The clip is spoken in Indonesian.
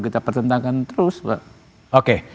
kita pertentangkan terus pak oke